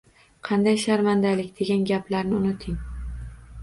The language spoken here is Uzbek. Qanday sharmandalik! degan gaplarni unuting.